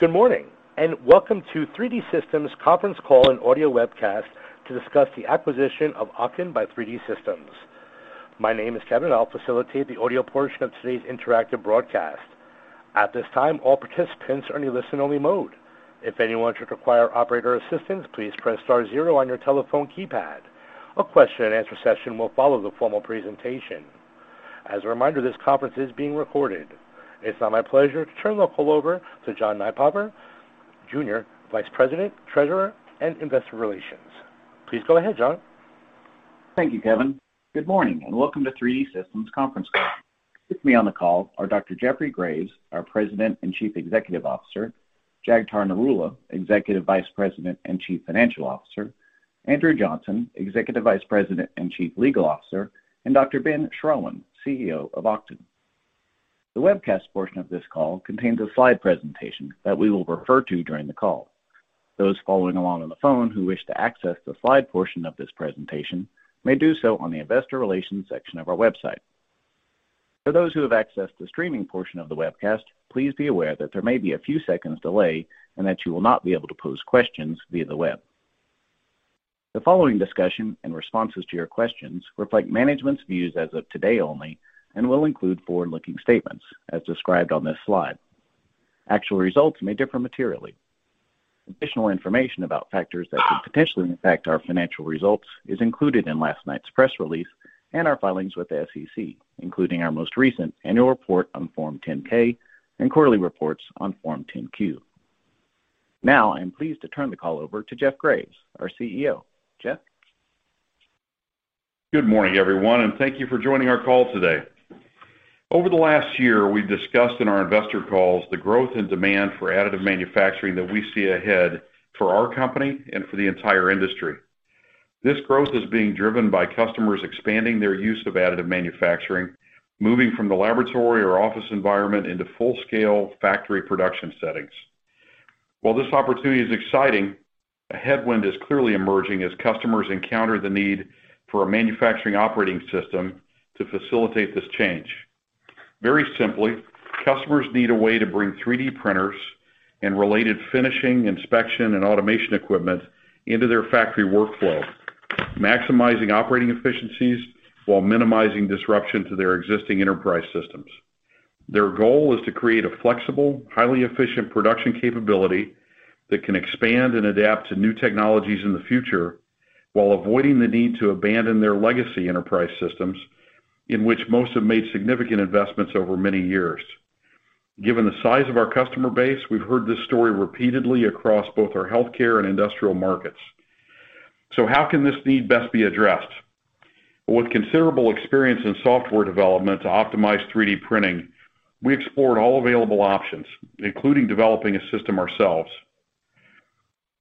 Good morning. Welcome to 3D Systems conference call and audio webcast to discuss the acquisition of Oqton by 3D Systems. My name is Kevin. I'll facilitate the audio portion of today's interactive broadcast. At this time, all participants are in a listen-only mode. If anyone should require operator assistance, please press star zero on your telephone keypad. A question and answer session will follow the formal presentation. As a reminder, this conference is being recorded. It's now my pleasure to turn the call over to John Nypaver, Jr., Vice President, Treasurer, and Investor Relations. Please go ahead, John. Thank you, Kevin. Good morning. Welcome to 3D Systems conference call. With me on the call are Dr. Jeffrey Graves, our President and Chief Executive Officer, Jagtar Narula, Executive Vice President and Chief Financial Officer, Andrew Johnson, Executive Vice President and Chief Legal Officer, and Dr. Ben Schrauwen, CEO of Oqton. The webcast portion of this call contains a slide presentation that we will refer to during the call. Those following along on the phone who wish to access the slide portion of this presentation may do so on the investor relations section of our website. For those who have accessed the streaming portion of the webcast, please be aware that there may be a few seconds delay and that you will not be able to pose questions via the web. The following discussion and responses to your questions reflect management's views as of today only and will include forward-looking statements as described on this slide. Actual results may differ materially. Additional information about factors that could potentially impact our financial results is included in last night's press release and our filings with the SEC, including our most recent annual report on Form 10-K and quarterly reports on Form 10-Q. Now, I am pleased to turn the call over to Jeff Graves, our CEO. Jeff? Good morning, everyone, and thank you for joining our call today. Over the last year, we've discussed in our investor calls the growth and demand for additive manufacturing that we see ahead for our company and for the entire industry. This growth is being driven by customers expanding their use of additive manufacturing, moving from the laboratory or office environment into full-scale factory production settings. While this opportunity is exciting, a headwind is clearly emerging as customers encounter the need for a manufacturing operating system to facilitate this change. Very simply, customers need a way to bring 3D printers and related finishing, inspection, and automation equipment into their factory workflow, maximizing operating efficiencies while minimizing disruption to their existing enterprise systems. Their goal is to create a flexible, highly efficient production capability that can expand and adapt to new technologies in the future while avoiding the need to abandon their legacy enterprise systems, in which most have made significant investments over many years. Given the size of our customer base, we've heard this story repeatedly across both our healthcare and industrial markets. How can this need best be addressed? With considerable experience in software development to optimize 3D printing, we explored all available options, including developing a system ourselves.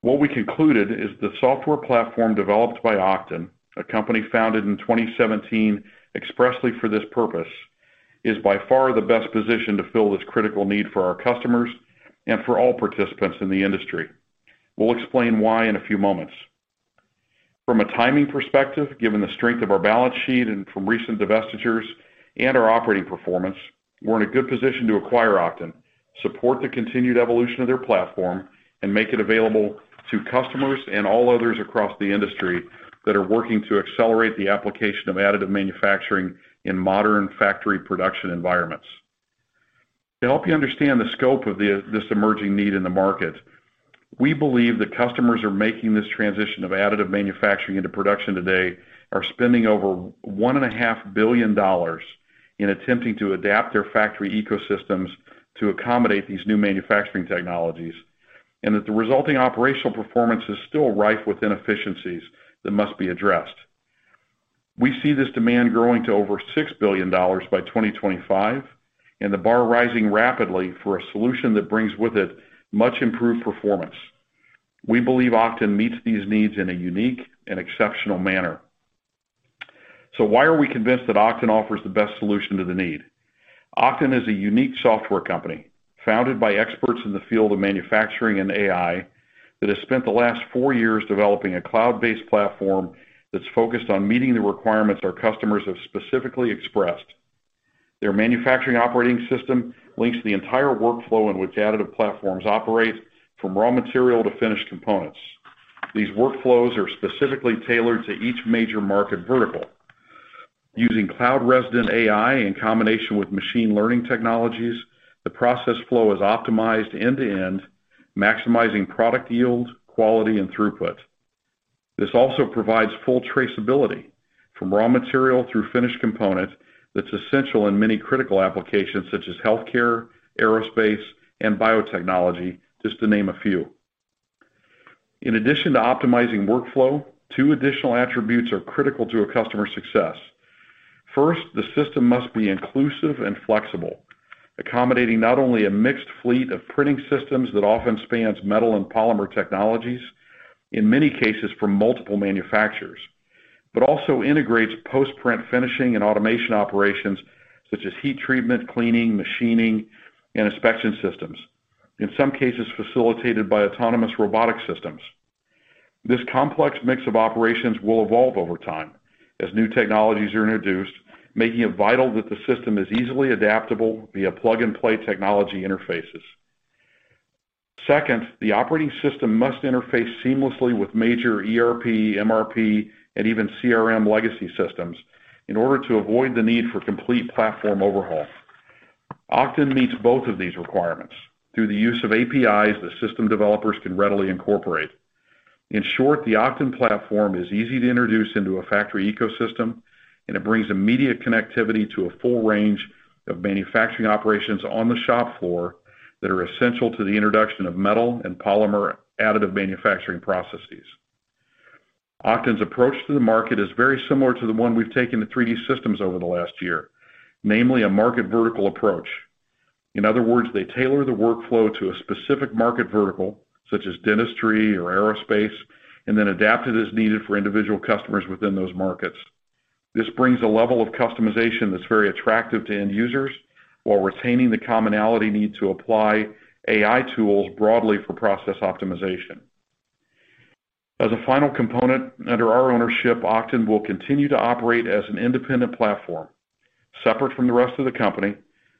What we concluded is the software platform developed by Oqton, a company founded in 2017 expressly for this purpose, is by far the best positioned to fill this critical need for our customers and for all participants in the industry. We'll explain why in a few moments. From a timing perspective, given the strength of our balance sheet and from recent divestitures and our operating performance, we're in a good position to acquire Oqton, support the continued evolution of their platform, and make it available to customers and all others across the industry that are working to accelerate the application of additive manufacturing in modern factory production environments. To help you understand the scope of this emerging need in the market, we believe that customers making this transition of additive manufacturing into production today are spending over one and a half billion dollars in attempting to adapt their factory ecosystems to accommodate these new manufacturing technologies, and that the resulting operational performance is still rife with inefficiencies that must be addressed. We see this demand growing to over $6 billion by 2025, and the bar rising rapidly for a solution that brings with it much improved performance. We believe Oqton meets these needs in a unique and exceptional manner. Why are we convinced that Oqton offers the best solution to the need? Oqton is a unique software company founded by experts in the field of manufacturing and AI that has spent the last four years developing a cloud-based platform that's focused on meeting the requirements our customers have specifically expressed. Their manufacturing operating system links the entire workflow in which additive platforms operate from raw material to finished components. These workflows are specifically tailored to each major market vertical. Using cloud-resident AI in combination with machine learning technologies, the process flow is optimized end-to-end, maximizing product yield, quality, and throughput. This also provides full traceability from raw material through finished component that's essential in many critical applications such as healthcare, aerospace, and biotechnology, just to name a few. In addition to optimizing workflow, two additional attributes are critical to a customer's success. First, the system must be inclusive and flexible, accommodating not only a mixed fleet of printing systems that often spans metal and polymer technologies, in many cases from multiple manufacturers, but also integrates post-print finishing and automation operations such as heat treatment, cleaning, machining, and inspection systems, in some cases facilitated by autonomous robotic systems. This complex mix of operations will evolve over time as new technologies are introduced, making it vital that the system is easily adaptable via plug-and-play technology interfaces. Second, the operating system must interface seamlessly with major ERP, MRP, and even CRM legacy systems in order to avoid the need for complete platform overhaul. Oqton meets both of these requirements through the use of APIs the system developers can readily incorporate. In short, the Oqton platform is easy to introduce into a factory ecosystem, and it brings immediate connectivity to a full range of manufacturing operations on the shop floor that are essential to the introduction of metal and polymer additive manufacturing processes. Oqton's approach to the market is very similar to the one we've taken to 3D Systems over the last year, namely a market vertical approach. In other words, they tailor the workflow to a specific market vertical, such as dentistry or aerospace, and then adapt it as needed for individual customers within those markets. This brings a level of customization that's very attractive to end users while retaining the commonality need to apply AI tools broadly for process optimization. As a final component, under our ownership, Oqton will continue to operate as an independent platform, separate from the rest of the company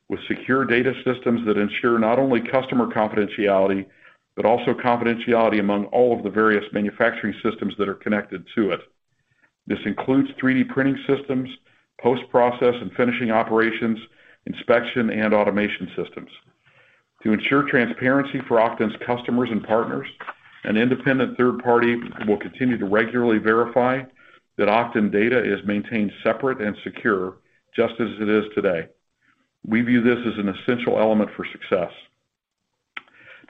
with secure data systems that ensure not only customer confidentiality, but also confidentiality among all of the various manufacturing systems that are connected to it. This includes 3D printing systems, post-process and finishing operations, inspection, and automation systems. To ensure transparency for Oqton's customers and partners, an independent third party will continue to regularly verify that Oqton data is maintained separate and secure just as it is today. We view this as an essential element for success.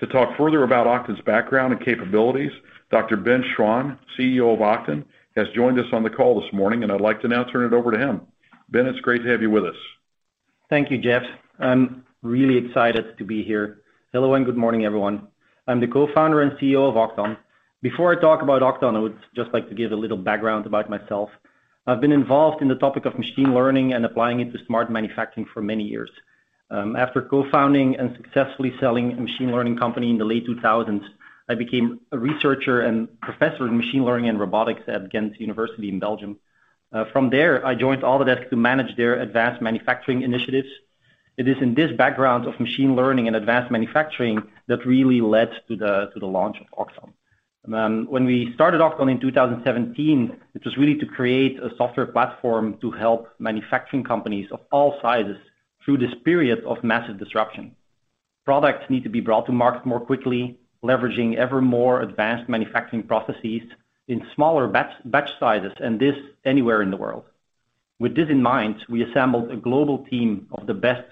To talk further about Oqton's background and capabilities, Dr. Ben Schrauwen, CEO of Oqton, has joined us on the call this morning, and I'd like to now turn it over to him. Ben, it's great to have you with us. Thank you, Jeffrey Graves. I'm really excited to be here. Hello and good morning, everyone. I'm the co-founder and CEO of Oqton. Before I talk about Oqton, I would just like to give a little background about myself. I've been involved in the topic of machine learning and applying it to smart manufacturing for many years. After co-founding and successfully selling a machine learning company in the late 2000s, I became a researcher and professor in machine learning and robotics at Ghent University in Belgium. From there, I joined Autodesk to manage their advanced manufacturing initiatives. It is in this background of machine learning and advanced manufacturing that really led to the launch of Oqton. When we started Oqton in 2017, it was really to create a software platform to help manufacturing companies of all sizes through this period of massive disruption. Products need to be brought to market more quickly, leveraging ever more advanced manufacturing processes in smaller batch sizes, and this anywhere in the world. With this in mind, we assembled a global team of the best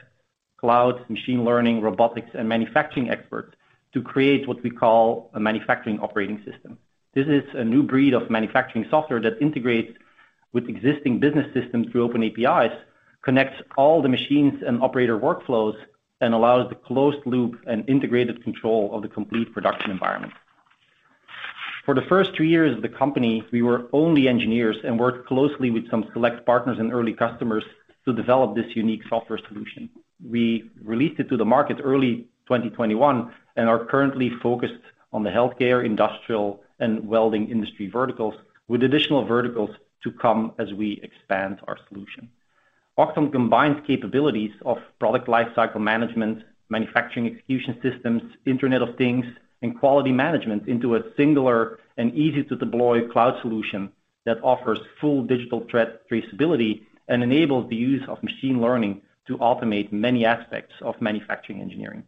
cloud machine learning, robotics, and manufacturing experts to create what we call a manufacturing operating system. This is a new breed of manufacturing software that integrates with existing business systems through open APIs, connects all the machines and operator workflows, and allows the closed loop and integrated control of the complete production environment. For the first two years of the company, we were only engineers and worked closely with some select partners and early customers to develop this unique software solution. We released it to the market early 2021 and are currently focused on the healthcare, industrial, and welding industry verticals with additional verticals to come as we expand our solution. Oqton combines capabilities of product lifecycle management, manufacturing execution systems, Internet of Things, and quality management into a singular and easy-to-deploy cloud solution that offers full digital traceability and enables the use of machine learning to automate many aspects of manufacturing engineering.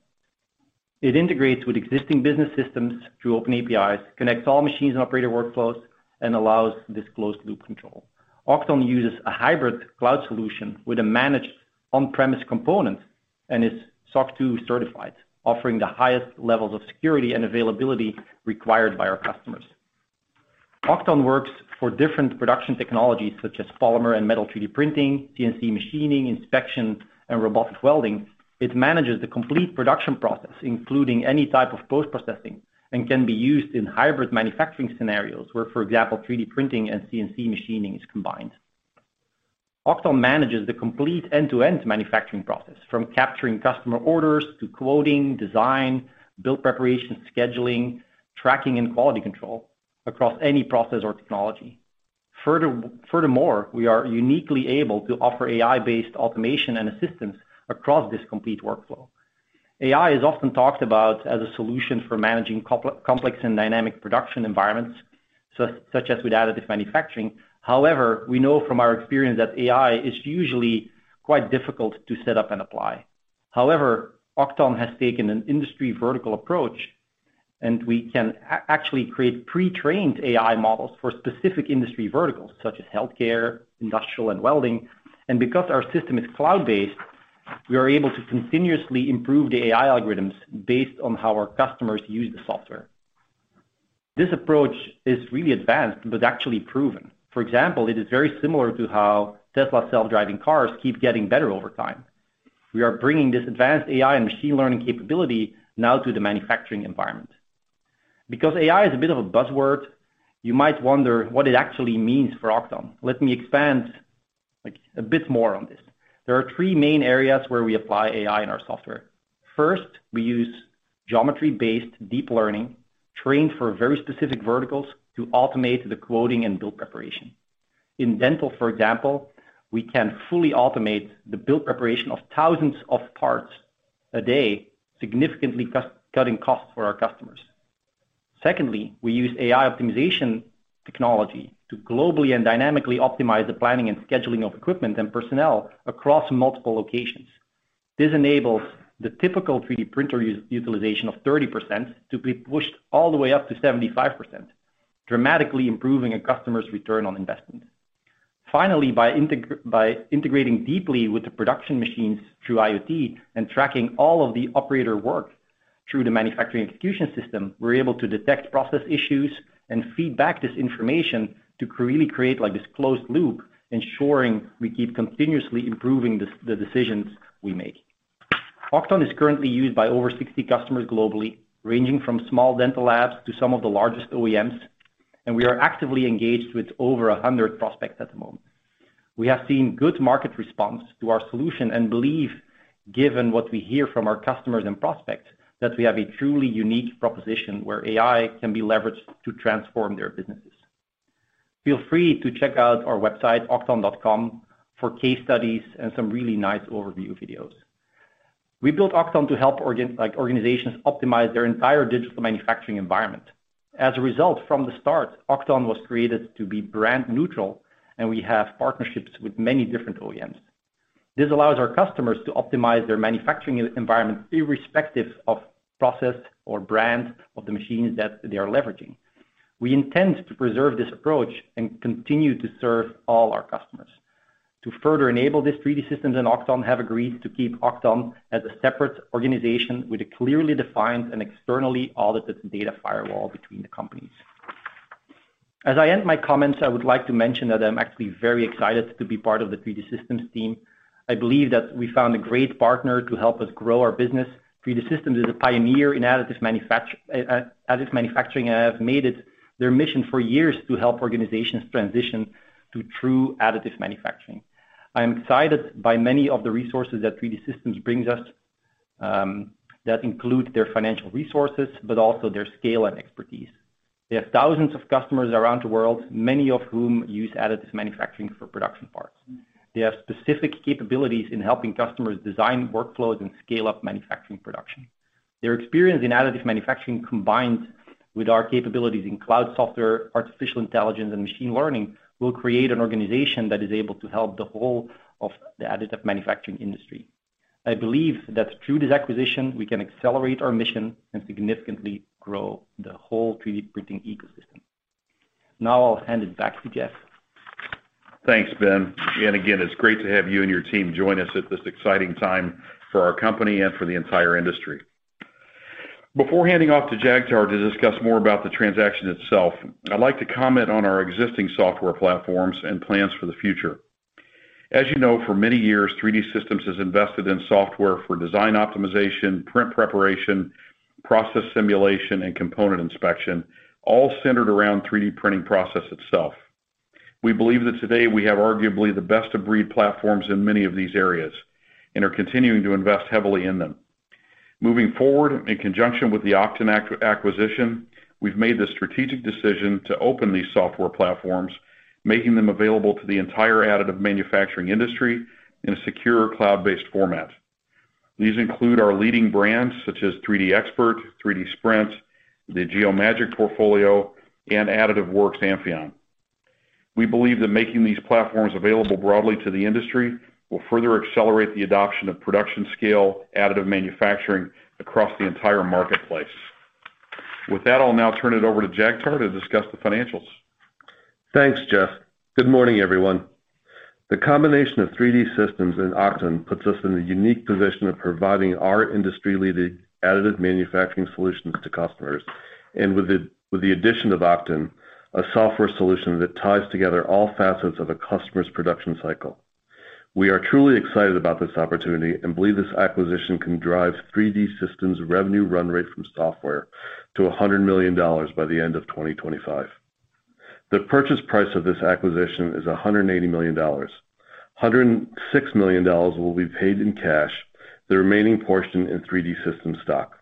It integrates with existing business systems through open APIs, connects all machines and operator workflows, and allows this closed-loop control. Oqton uses a hybrid cloud solution with a managed on-premise component and is SOC 2 certified, offering the highest levels of security and availability required by our customers. Oqton works for different production technologies such as polymer and metal 3D printing, CNC machining, inspection, and robotic welding. It manages the complete production process, including any type of post-processing, and can be used in hybrid manufacturing scenarios where, for example, 3D printing and CNC machining is combined. Oqton manages the complete end-to-end manufacturing process, from capturing customer orders to quoting, design, build preparation, scheduling, tracking, and quality control across any process or technology. Furthermore, we are uniquely able to offer AI-based automation and assistance across this complete workflow. AI is often talked about as a solution for managing complex and dynamic production environments, such as with additive manufacturing. We know from our experience that AI is usually quite difficult to set up and apply. Oqton has taken an industry vertical approach, and we can actually create pre-trained AI models for specific industry verticals such as healthcare, industrial, and welding. Because our system is cloud-based, we are able to continuously improve the AI algorithms based on how our customers use the software. This approach is really advanced but actually proven. For example, it is very similar to how Tesla self-driving cars keep getting better over time. We are bringing this advanced AI and machine learning capability now to the manufacturing environment. Because AI is a bit of a buzzword, you might wonder what it actually means for Oqton. Let me expand a bit more on this. There are 3 main areas where we apply AI in our software. First, we use geometry-based deep learning, trained for very specific verticals to automate the quoting and build preparation. In dental, for example, we can fully automate the build preparation of thousands of parts a day, significantly cutting costs for our customers. Secondly, we use AI optimization technology to globally and dynamically optimize the planning and scheduling of equipment and personnel across multiple locations. This enables the typical 3D printer utilization of 30% to be pushed all the way up to 75%, dramatically improving a customer's return on investment. Finally, by integrating deeply with the production machines through IoT and tracking all of the operator work through the manufacturing execution system, we're able to detect process issues and feed back this information to really create this closed loop, ensuring we keep continuously improving the decisions we make. Oqton is currently used by over 60 customers globally, ranging from small dental labs to some of the largest OEMs, and we are actively engaged with over 100 prospects at the moment. We have seen good market response to our solution and believe, given what we hear from our customers and prospects, that we have a truly unique proposition where AI can be leveraged to transform their businesses. Feel free to check out our website, Oqton, for case studies and some really nice overview videos. We built Oqton to help organizations optimize their entire digital manufacturing environment. As a result, from the start, Oqton was created to be brand neutral, and we have partnerships with many different OEMs. This allows our customers to optimize their manufacturing environment irrespective of process or brand of the machines that they are leveraging. We intend to preserve this approach and continue to serve all our customers. To further enable this, 3D Systems and Oqton have agreed to keep Oqton as a separate organization with a clearly defined and externally audited data firewall between the companies. As I end my comments, I would like to mention that I'm actually very excited to be part of the 3D Systems team. I believe that we found a great partner to help us grow our business. 3D Systems is a pioneer in additive manufacturing and have made it their mission for years to help organizations transition to true additive manufacturing. I am excited by many of the resources that 3D Systems brings us, that include their financial resources, but also their scale and expertise. They have thousands of customers around the world, many of whom use additive manufacturing for production parts. They have specific capabilities in helping customers design workflows and scale-up manufacturing production. Their experience in additive manufacturing, combined with our capabilities in cloud software, artificial intelligence, and machine learning, will create an organization that is able to help the whole of the additive manufacturing industry. I believe that through this acquisition, we can accelerate our mission and significantly grow the whole 3D printing ecosystem. Now I'll hand it back to Jeff. Thanks, Ben. Again, it's great to have you and your team join us at this exciting time for our company and for the entire industry. Before handing off to Jagtar to discuss more about the transaction itself, I'd like to comment on our existing software platforms and plans for the future. As you know, for many years, 3D Systems has invested in software for design optimization, print preparation, process simulation, and component inspection, all centered around 3D printing process itself. We believe that today we have arguably the best of breed platforms in many of these areas and are continuing to invest heavily in them. Moving forward, in conjunction with the Oqton acquisition, we've made the strategic decision to open these software platforms, making them available to the entire additive manufacturing industry in a secure cloud-based format. These include our leading brands such as 3DXpert, 3D Sprint, the Geomagic portfolio, and Additive Works Amphyon. We believe that making these platforms available broadly to the industry will further accelerate the adoption of production-scale additive manufacturing across the entire marketplace. With that, I'll now turn it over to Jagtar to discuss the financials. Thanks, Jeff. Good morning, everyone. The combination of 3D Systems and Oqton puts us in the unique position of providing our industry-leading additive manufacturing solutions to customers. With the addition of Oqton, a software solution that ties together all facets of a customer's production cycle. We are truly excited about this opportunity and believe this acquisition can drive 3D Systems' revenue run rate from software to $100 million by the end of 2025. The purchase price of this acquisition is $180 million. $106 million will be paid in cash, the remaining portion in 3D Systems stock.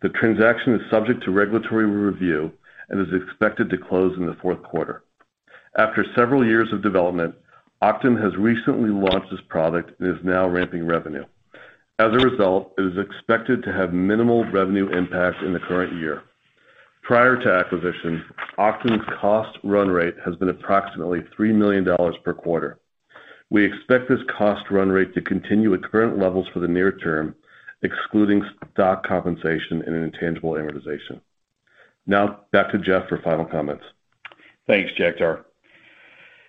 The transaction is subject to regulatory review and is expected to close in the fourth quarter. After several years of development, Oqton has recently launched its product and is now ramping revenue. As a result, it is expected to have minimal revenue impact in the current year. Prior to acquisition, Oqton's cost run rate has been approximately $3 million per quarter. We expect this cost run rate to continue at current levels for the near term, excluding stock compensation and an intangible amortization. Back to Jeffrey for final comments. Thanks, Jagtar.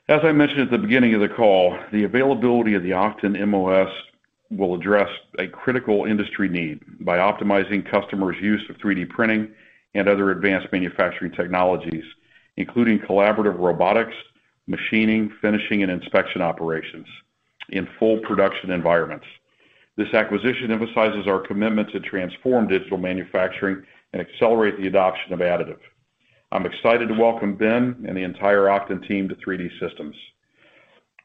As I mentioned at the beginning of the call, the availability of the Oqton MOS will address a critical industry need by optimizing customers' use of 3D printing and other advanced manufacturing technologies, including collaborative robotics, machining, finishing, and inspection operations in full production environments. This acquisition emphasizes our commitment to transform digital manufacturing and accelerate the adoption of additive. I'm excited to welcome Ben and the entire Oqton team to 3D Systems.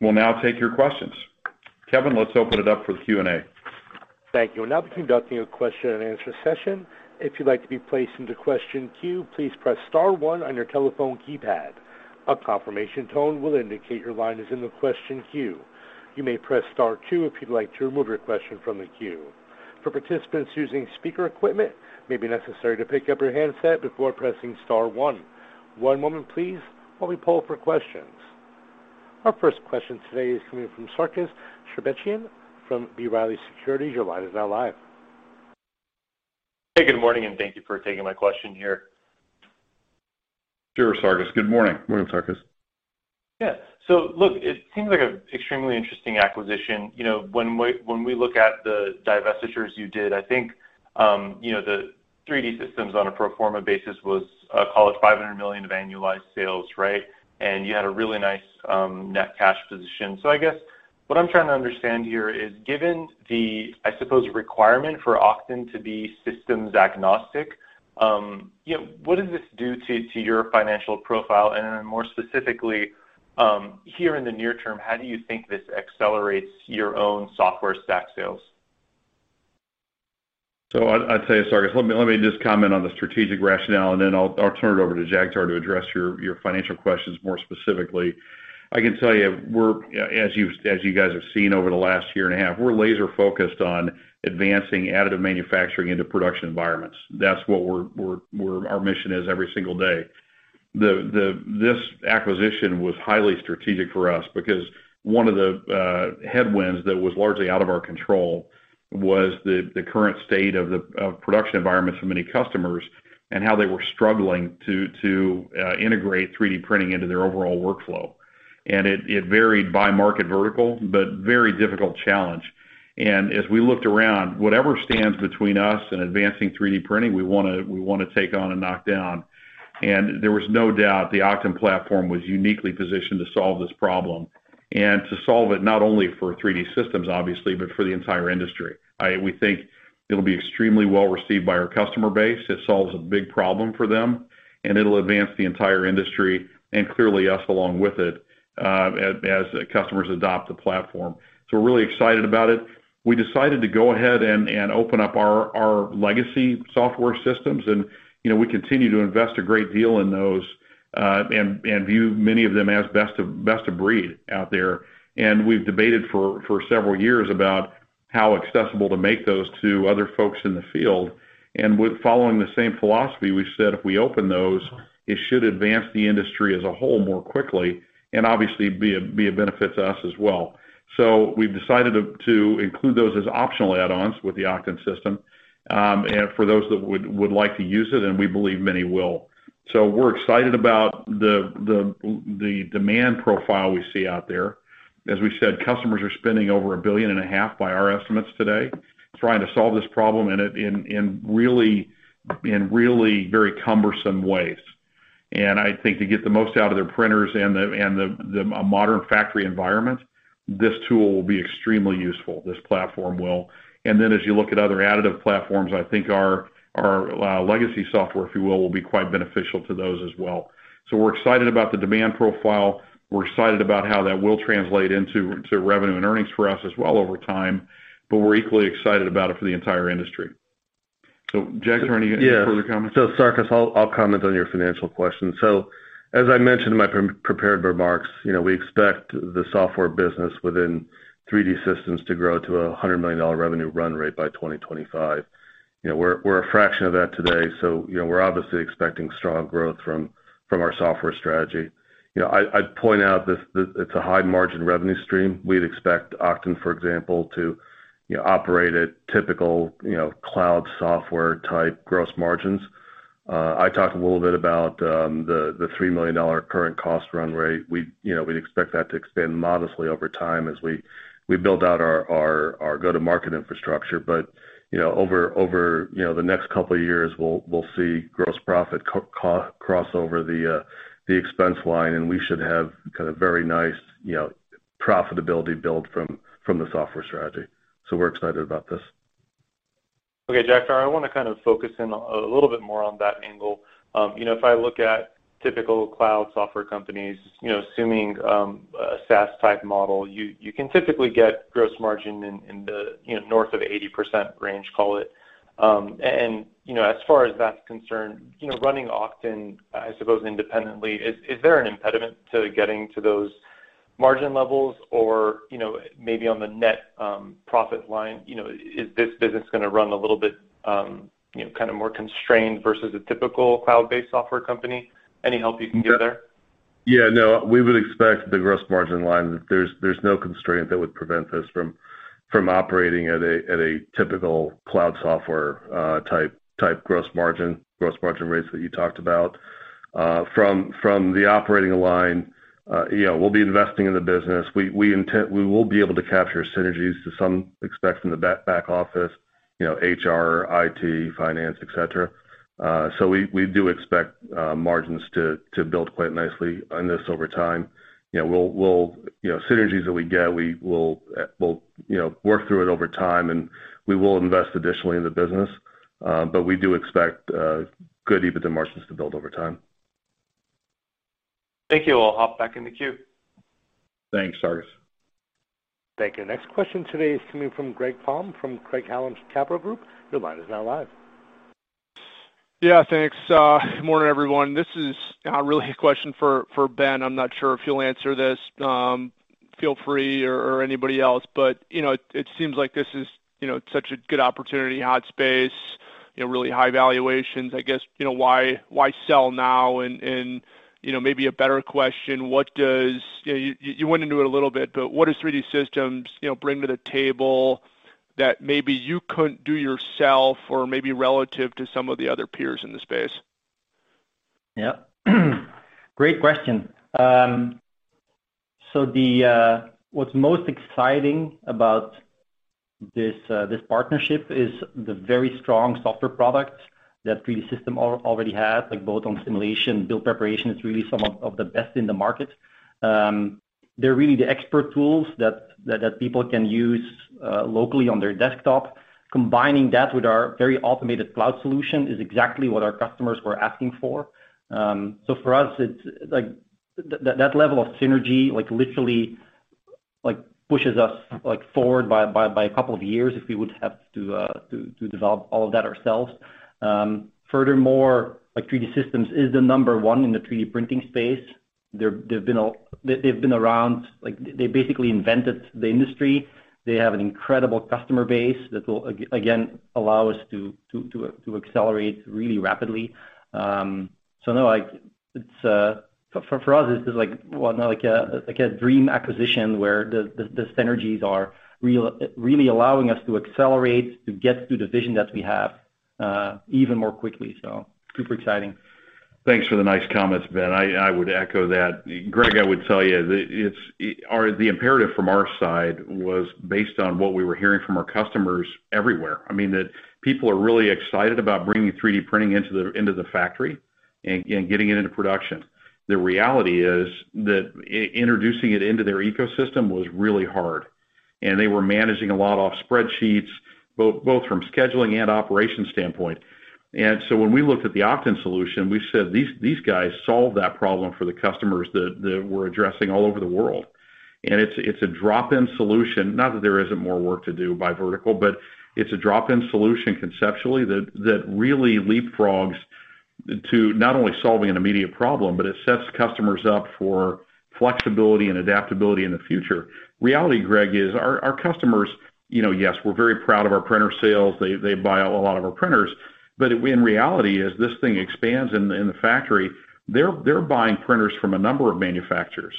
We'll now take your questions. Kevin, let's open it up for the Q&A. Thank you. We'll now be conducting a question and answer session. One moment please, while we poll for questions. Our first question today is coming from Sarkis Sherbetchyan from B. Riley Securities. Your line is now live. Hey, good morning, thank you for taking my question here. Sure, Sarkis. Good morning. Morning, Sarkis. Yeah. Look, it seems like an extremely interesting acquisition. When we look at the divestitures you did, I think the 3D Systems on a pro forma basis was call it $500 million of annualized sales, right? You had a really nice net cash position. I guess, what I'm trying to understand here is, given the, I suppose, requirement for Oqton to be systems agnostic, what does this do to your financial profile? Then more specifically, here in the near term, how do you think this accelerates your own software stack sales? I'd say, Sarkis, let me just comment on the strategic rationale, and then I'll turn it over to Jagtar to address your financial questions more specifically. I can tell you, as you guys have seen over the last year and a half, we're laser-focused on advancing additive manufacturing into production environments. That's what our mission is every single day. This acquisition was highly strategic for us because one of the headwinds that was largely out of our control was the current state of production environments for many customers, and how they were struggling to integrate 3D printing into their overall workflow. It varied by market vertical, but very difficult challenge. As we looked around, whatever stands between us and advancing 3D printing, we want to take on and knock down. There was no doubt the Oqton platform was uniquely positioned to solve this problem, and to solve it not only for 3D Systems, obviously, but for the entire industry. We think it'll be extremely well-received by our customer base. It solves a big problem for them, and it'll advance the entire industry and clearly us along with it, as customers adopt the platform. We're really excited about it. We decided to go ahead and open up our legacy software systems, and we continue to invest a great deal in those, and view many of them as best of breed out there. We've debated for several years about how accessible to make those to other folks in the field. With following the same philosophy, we said if we open those, it should advance the industry as a whole more quickly, obviously be of benefit to us as well. We've decided to include those as optional add-ons with the Oqton system, for those that would like to use it, we believe many will. We're excited about the demand profile we see out there. As we said, customers are spending over $1.5 Billion, by our estimates today, trying to solve this problem in really very cumbersome ways. I think to get the most out of their printers and the modern factory environment, this tool will be extremely useful, this platform will. As you look at other additive platforms, I think our legacy software, if you will be quite beneficial to those as well. We're excited about the demand profile. We're excited about how that will translate into revenue and earnings for us as well over time, but we're equally excited about it for the entire industry. Jagtar, any further comments? Yeah. Sarkis, I'll comment on your financial question. As I mentioned in my prepared remarks, we expect the software business within 3D Systems to grow to a $100 million revenue run rate by 2025. We're a fraction of that today, so we're obviously expecting strong growth from our software strategy. I'd point out that it's a high-margin revenue stream. We'd expect Oqton, for example, to operate at typical cloud software-type gross margins. I talked a little bit about the $3 million current cost run rate. We'd expect that to expand modestly over time as we build out our go-to-market infrastructure. Over the next couple of years, we'll see gross profit cross over the expense line, and we should have kind of very nice profitability build from the software strategy. We're excited about this. Okay. Jagtar, I want to kind of focus in a little bit more on that angle. If I look at typical cloud software companies, assuming a SaaS type model, you can typically get gross margin in the north of 80% range, call it. As far as that's concerned, running Oqton, I suppose independently, is there an impediment to getting to those margin levels? Maybe on the net profit line, is this business going to run a little bit kind of more constrained versus a typical cloud-based software company? Any help you can give there? Yeah, no. We would expect the gross margin line, there's no constraint that would prevent this from operating at a typical cloud software-type gross margin rates that you talked about. From the operating line, we'll be investing in the business. We will be able to capture synergies to some extent from the back office. HR, IT, finance, et cetera. We do expect margins to build quite nicely on this over time. Synergies that we get, we'll work through it over time and we will invest additionally in the business. We do expect good EBITDA margins to build over time. Thank you. I'll hop back in the queue. Thanks, Sarkis. Thank you. Next question today is coming from Greg Palm from Craig-Hallum Capital Group. Your line is now live. Yeah, thanks. Good morning, everyone. This is really a question for Ben. I'm not sure if you'll answer this. Feel free or anybody else. It seems like this is such a good opportunity, hot space, really high valuations. I guess, why sell now and, maybe a better question, you went into it a little bit, but what does 3D Systems bring to the table that maybe you couldn't do yourself or maybe relative to some of the other peers in the space? Yeah. Great question. What's most exciting about this partnership is the very strong software product that 3D Systems already has, both on simulation, build preparation is really some of the best in the market. They're really the expert tools that people can use locally on their desktop. Combining that with our very automated cloud solution is exactly what our customers were asking for. For us, that level of synergy literally pushes us forward by a couple of years if we would have to develop all of that ourselves. Furthermore, 3D Systems is the number one in the 3D printing space. They've been around, they basically invented the industry. They have an incredible customer base that will, again, allow us to accelerate really rapidly. No, for us, this is like a dream acquisition where the synergies are really allowing us to accelerate, to get to the vision that we have even more quickly. Super exciting. Thanks for the nice comments, Ben. I would echo that. Greg, I would tell you, the imperative from our side was based on what we were hearing from our customers everywhere. I mean, that people are really excited about bringing 3D printing into the factory and getting it into production. The reality is that introducing it into their ecosystem was really hard, and they were managing a lot off spreadsheets, both from scheduling and operations standpoint. When we looked at the Oqton solution, we said, "These guys solved that problem for the customers that we're addressing all over the world." It's a drop-in solution. Not that there isn't more work to do by vertical, but it's a drop-in solution conceptually that really leapfrogs to not only solving an immediate problem, but it sets customers up for flexibility and adaptability in the future. Reality, Greg, is our customers, yes, we're very proud of our printer sales. They buy a lot of our printers. In reality, as this thing expands in the factory, they're buying printers from a number of manufacturers,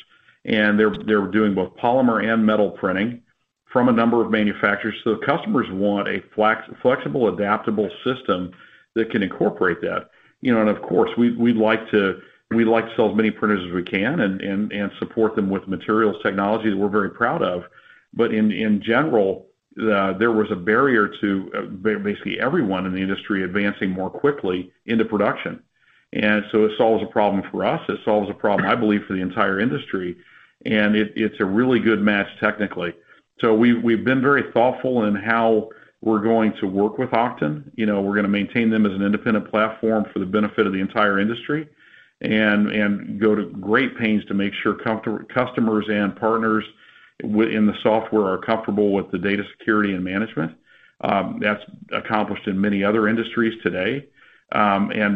and they're doing both polymer and metal printing from a number of manufacturers. The customers want a flexible, adaptable system that can incorporate that. Of course, we like to sell as many printers as we can and support them with materials technology that we're very proud of. In general, there was a barrier to basically everyone in the industry advancing more quickly into production. It solves a problem for us. It solves a problem, I believe, for the entire industry, and it's a really good match technically. We've been very thoughtful in how we're going to work with Oqton. We're going to maintain them as an independent platform for the benefit of the entire industry and go to great pains to make sure customers and partners in the software are comfortable with the data security and management. That's accomplished in many other industries today.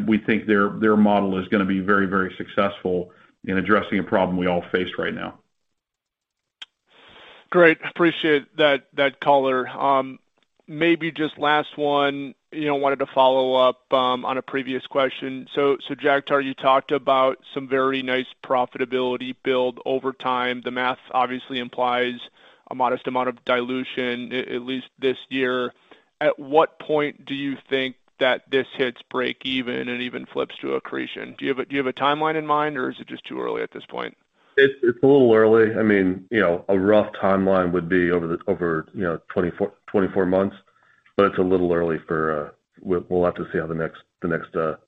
We think their model is going to be very successful in addressing a problem we all face right now. Great. Appreciate that color. Maybe just last one. Wanted to follow up on a previous question. Jagtar, you talked about some very nice profitability build over time. The math obviously implies a modest amount of dilution, at least this year. At what point do you think that this hits break even and even flips to accretion? Do you have a timeline in mind, or is it just too early at this point? It's a little early. I mean, a rough timeline would be over 24 months, but it's a little early for We'll have to see how the next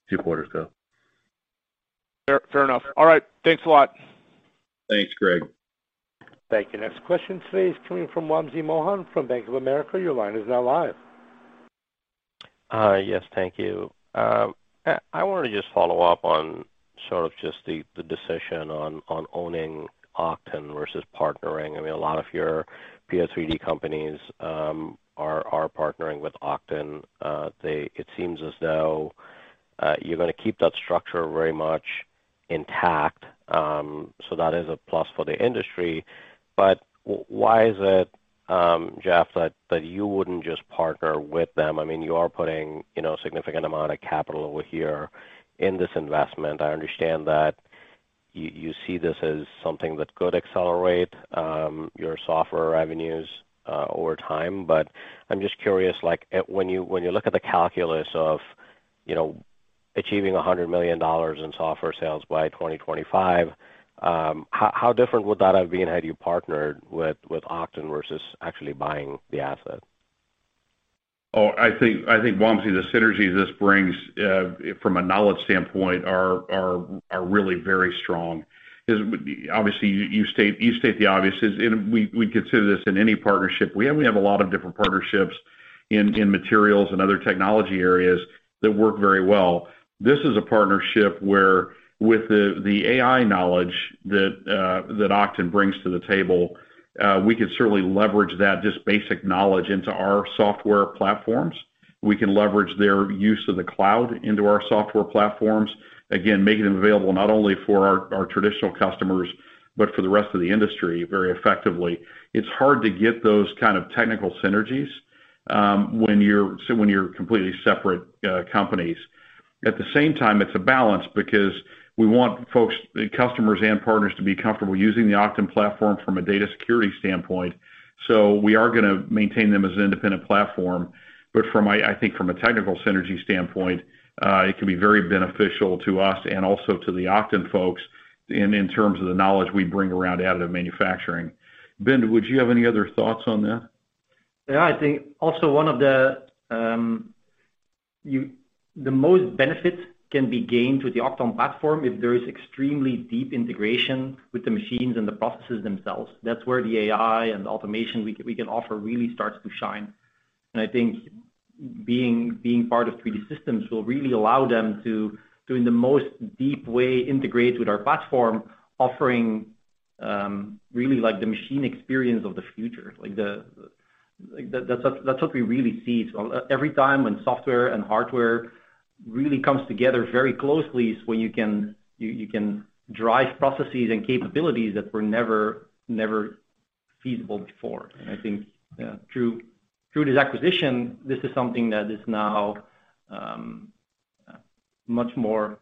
few quarters go. Fair enough. All right. Thanks a lot. Thanks, Greg. Thank you. Next question today is coming from Wamsi Mohan from Bank of America. Your line is now live. Yes. Thank you. I want to just follow up on sort of just the decision on owning Oqton versus partnering. I mean, a lot of your peer 3D companies are partnering with Oqton. It seems as though you're going to keep that structure very much intact. That is a plus for the industry. Why is it, Jeff, that you wouldn't just partner with them? I mean, you are putting a significant amount of capital over here in this investment. I understand that you see this as something that could accelerate your software revenues over time. I'm just curious, when you look at the calculus of, you know, achieving $100 million in software sales by 2025, how different would that have been had you partnered with Oqton versus actually buying the asset? Oh, I think, Wamsi, the synergies this brings from a knowledge standpoint are really very strong. Because obviously you state the obvious, and we consider this in any partnership. We have a lot of different partnerships in materials and other technology areas that work very well. This is a partnership where with the AI knowledge that Oqton brings to the table, we could certainly leverage that, just basic knowledge into our software platforms. We can leverage their use of the cloud into our software platforms, again, making them available not only for our traditional customers, but for the rest of the industry very effectively. It's hard to get those kind of technical synergies when you're completely separate companies. At the same time, it's a balance because we want folks, the customers and partners, to be comfortable using the Oqton platform from a data security standpoint. We are going to maintain them as an independent platform. I think from a technical synergy standpoint, it can be very beneficial to us and also to the Oqton folks in terms of the knowledge we bring around additive manufacturing. Ben, would you have any other thoughts on that? Yeah, I think also one of the most benefit can be gained with the Oqton platform if there is extremely deep integration with the machines and the processes themselves. That's where the AI and the automation we can offer really starts to shine. I think being part of 3D Systems will really allow them to, do in the most deep way, integrate with our platform, offering really the machine experience of the future. That's what we really see. Every time when software and hardware really comes together very closely is when you can drive processes and capabilities that were never feasible before. I think through this acquisition, this is something that is now much more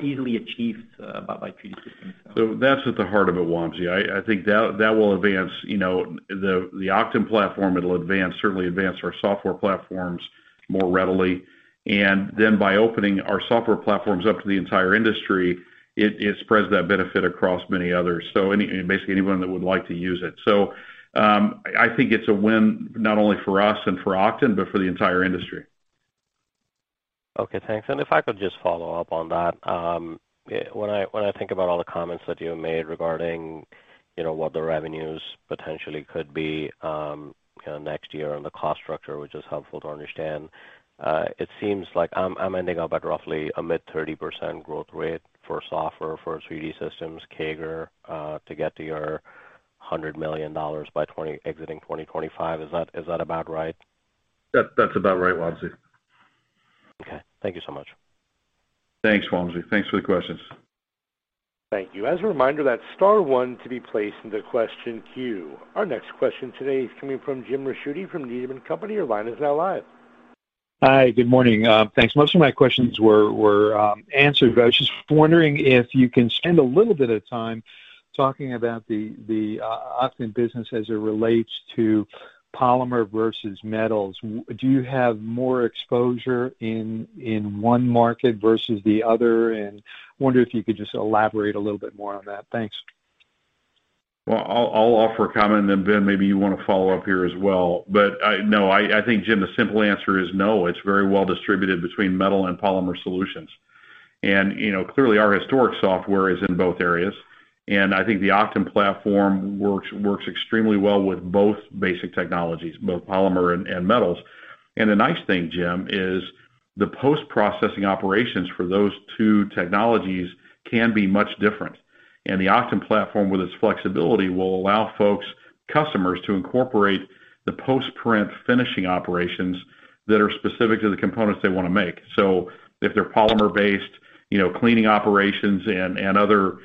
easily achieved by 3D Systems. That's at the heart of it, Wamsi. I think that will advance the Oqton platform. It'll certainly advance our software platforms more readily. By opening our software platforms up to the entire industry, it spreads that benefit across many others. Basically anyone that would like to use it. I think it's a win not only for us and for Oqton, but for the entire industry. Okay, thanks. If I could just follow up on that. When I think about all the comments that you have made regarding what the revenues potentially could be next year and the cost structure, which is helpful to understand, it seems like I'm ending up at roughly a mid-30% growth rate for software for 3D Systems, CAGR, to get to your $100 million exiting 2025. Is that about right? That's about right, Wamsi. Okay. Thank you so much. Thanks, Wamsi. Thanks for the questions. Thank you. As a reminder, that's star one to be placed into question queue. Our next question today is coming from James Ricchiuti from Needham & Company. Your line is now live. Hi, good morning. Thanks. Most of my questions were answered, but I was just wondering if you can spend a little bit of time talking about the Oqton business as it relates to polymer versus metals? Do you have more exposure in one market versus the other? I wonder if you could just elaborate a little bit more on that? Thanks. Well, I'll offer a comment and then Ben, maybe you want to follow up here as well. No, I think, Jim, the simple answer is no. It's very well distributed between metal and polymer solutions. Clearly our historic software is in both areas, and I think the Oqton platform works extremely well with both basic technologies, both polymer and metals. The nice thing, Jim, is the post-processing operations for those two technologies can be much different. The Oqton platform, with its flexibility, will allow folks, customers, to incorporate the post-print finishing operations that are specific to the components they want to make. If they're polymer-based, cleaning operations and other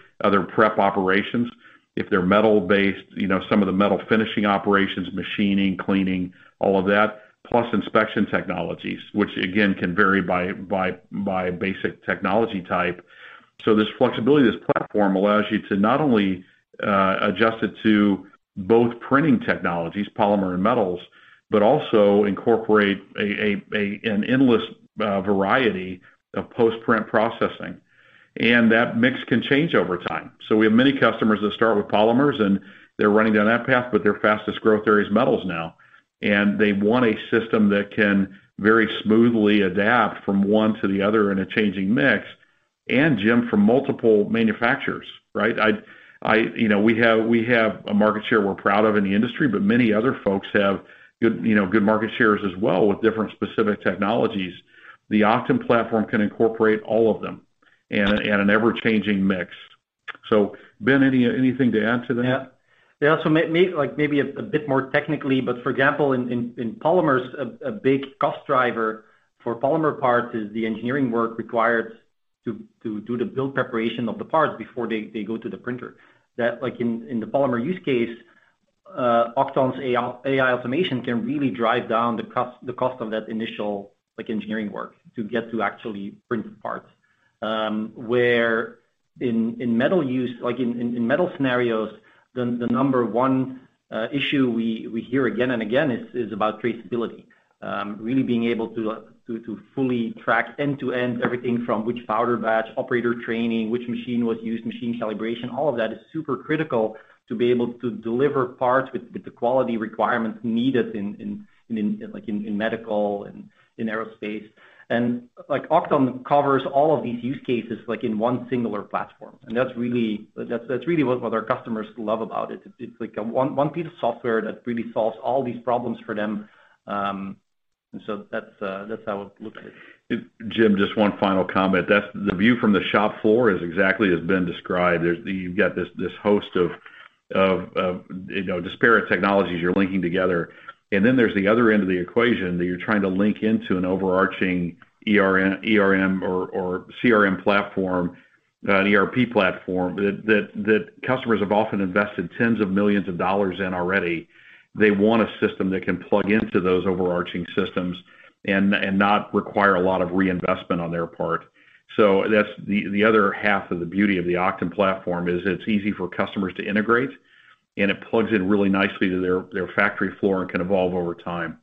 prep operations. If they're metal-based, some of the metal finishing operations, machining, cleaning, all of that, plus inspection technologies, which again, can vary by basic technology type. This flexibility of this platform allows you to not only adjust it to both printing technologies, polymer and metals, but also incorporate an endless variety of post-print processing. That mix can change over time. We have many customers that start with polymers, and they're running down that path, but their fastest growth area is metals now. They want a system that can very smoothly adapt from one to the other in a changing mix. Jim, from multiple manufacturers, right? We have a market share we're proud of in the industry, but many other folks have good market shares as well with different specific technologies. The Oqton platform can incorporate all of them in an ever-changing mix. Ben, anything to add to that? Yeah. Maybe a bit more technically, but for example, in polymers, a big cost driver for polymer parts is the engineering work required to do the build preparation of the parts before they go to the printer. That in the polymer use case, Oqton's AI automation can really drive down the cost of that initial engineering work to get to actually print parts. Where in metal use, like in metal scenarios, the number 1 issue we hear again and again is about traceability. Really being able to fully track end-to-end everything from which powder batch, operator training, which machine was used, machine calibration, all of that is super critical to be able to deliver parts with the quality requirements needed in medical and in aerospace. Oqton covers all of these use cases in one singular platform. That's really what our customers love about it. It's like a one piece of software that really solves all these problems for them. That's how it looks. Jim, just one final comment. The view from the shop floor is exactly as been described. You've got this host of disparate technologies you're linking together, and then there's the other end of the equation that you're trying to link into an overarching ERP or CRM platform, an ERP platform, that customers have often invested tens of millions of dollars in already. They want a system that can plug into those overarching systems and not require a lot of reinvestment on their part. That's the other half of the beauty of the Oqton platform is it's easy for customers to integrate, and it plugs in really nicely to their factory floor and can evolve over time.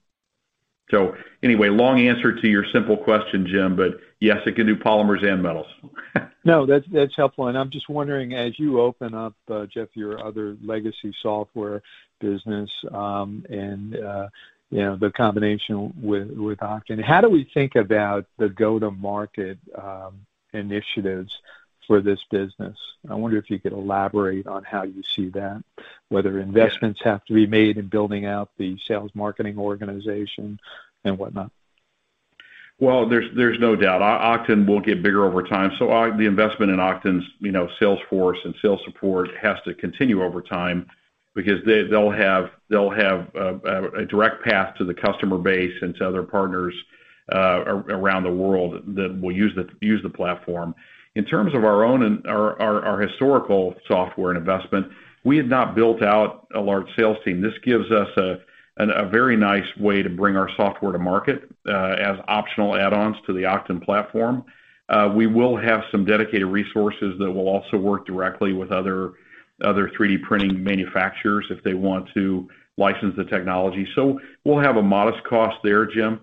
Anyway, long answer to your simple question, Jim, but yes, it can do polymers and metals. No, that's helpful. I'm just wondering, as you open up, Jeff, your other legacy software business, and the combination with Oqton, how do we think about the go-to-market initiatives for this business? I wonder if you could elaborate on how you see that, whether investments have to be made in building out the sales marketing organization and whatnot. Well, there's no doubt Oqton will get bigger over time. The investment in Oqton's sales force and sales support has to continue over time because they'll have a direct path to the customer base and to other partners around the world that will use the platform. In terms of our historical software and investment, we had not built out a large sales team. This gives us a very nice way to bring our software to market, as optional add-ons to the Oqton platform. We will have some dedicated resources that will also work directly with other 3D printing manufacturers if they want to license the technology. We'll have a modest cost there, Jim,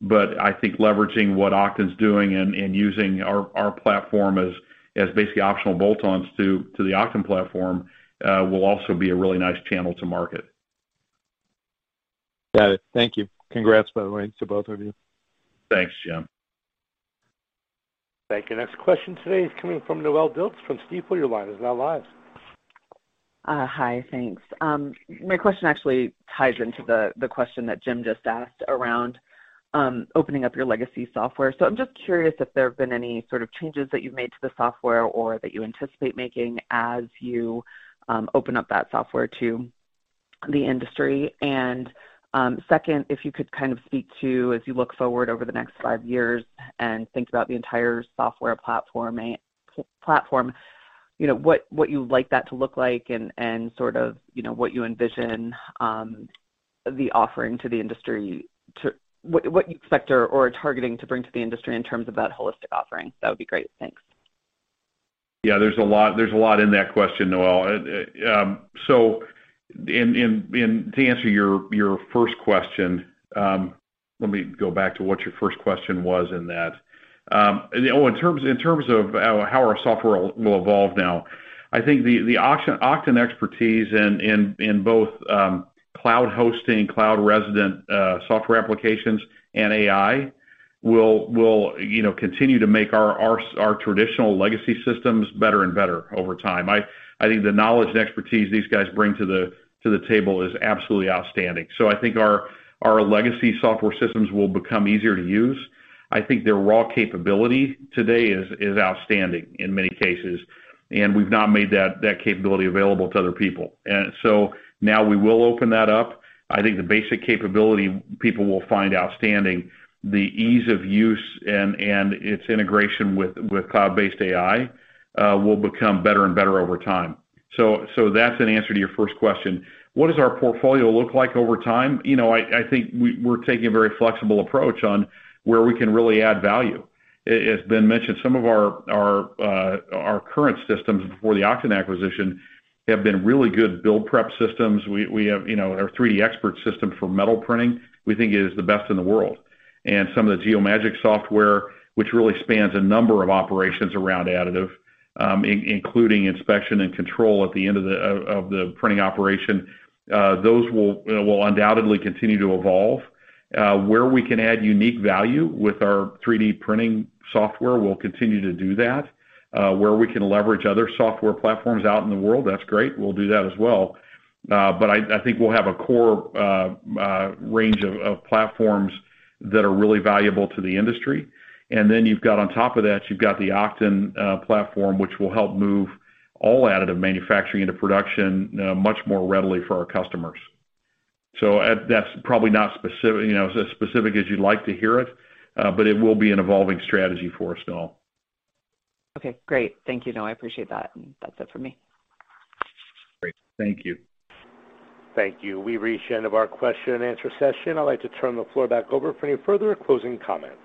but I think leveraging what Oqton's doing and using our platform as basically optional bolt-ons to the Oqton platform, will also be a really nice channel to market. Got it. Thank you. Congrats, by the way, to both of you. Thanks, Jim. Thank you. Next question today is coming from Noelle Dilts from Stifel. Your line is now live. Hi, thanks. My question actually ties into the question that Jim just asked around opening up your legacy software. I'm just curious if there have been any sort of changes that you've made to the software or that you anticipate making as you open up that software to the industry. Second, if you could kind of speak to, as you look forward over the next five years and think about the entire software platform, what you would like that to look like, and sort of what you envision the offering to the industry, what you expect or are targeting to bring to the industry in terms of that holistic offering, that would be great. Thanks. Yeah, there's a lot in that question, Noelle. To answer your first question, let me go back to what your first question was in that. In terms of how our software will evolve now, I think the Oqton expertise in both cloud hosting, cloud resident software applications, and AI will continue to make our traditional legacy systems better and better over time. I think the knowledge and expertise these guys bring to the table is absolutely outstanding. I think our legacy software systems will become easier to use. I think their raw capability today is outstanding in many cases, and we've not made that capability available to other people. Now we will open that up. I think the basic capability people will find outstanding. The ease of use and its integration with cloud-based AI will become better and better over time. That's an answer to your first question. What does our portfolio look like over time? I think we're taking a very flexible approach on where we can really add value. As Ben mentioned, some of our current systems before the Oqton acquisition have been really good build prep systems. We have our 3DXpert system for metal printing we think is the best in the world. Some of the Geomagic software, which really spans a number of operations around additive, including inspection and control at the end of the printing operation. Those will undoubtedly continue to evolve. Where we can add unique value with our 3D printing software, we'll continue to do that. Where we can leverage other software platforms out in the world, that's great. We'll do that as well. I think we'll have a core range of platforms that are really valuable to the industry. You've got on top of that, you've got the Oqton platform, which will help move all additive manufacturing into production much more readily for our customers. That's probably not as specific as you'd like to hear it, but it will be an evolving strategy for us, Noelle. Okay, great. Thank you. No, I appreciate that. That's it for me. Great. Thank you. Thank you. We've reached the end of our question and answer session. I'd like to turn the floor back over for any further closing comments.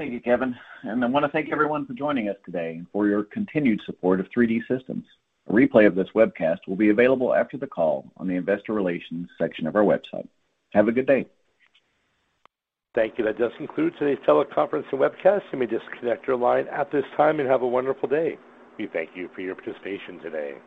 Thank you, Kevin. I want to thank everyone for joining us today and for your continued support of 3D Systems. A replay of this webcast will be available after the call on the investor relations section of our website. Have a good day. Thank you. That does conclude today's teleconference and webcast. You may disconnect your line at this time, and have a wonderful day. We thank you for your participation today.